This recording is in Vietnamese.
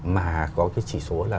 mà có cái chỉ số là